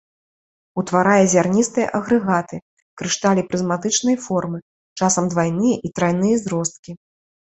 Утварае зярністыя агрэгаты, крышталі прызматычнай формы, часам двайныя і трайныя зросткі.